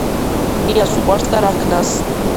ნიას უყვარს და რაქნას